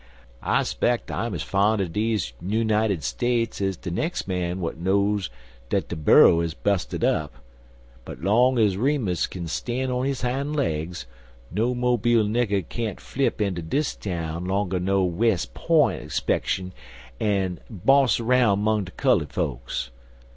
I speck I'm ez fon' er deze Nunited States ez de nex' man w'at knows dat de Buro is busted up; but long ez Remus kin stan' on his hin' legs no Mobile nigger can't flip inter dis town longer no Wes' P'int 'schushun an' boss 'roun' 'mong de cullud fokes.